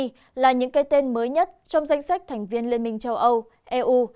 italy là những cây tên mới nhất trong danh sách thành viên liên minh châu âu eu